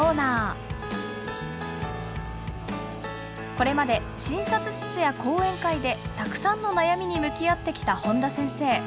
これまで診察室や講演会でたくさんの悩みに向き合ってきた本田先生。